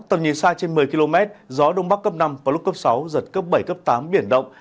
tầm nhìn xa trên một mươi km gió đông bắc cấp năm có lúc cấp sáu giật cấp bảy cấp tám biển động